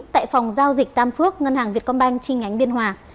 tại phòng giao dịch tam phước ngân hàng việt công banh trinh ngánh biên hòa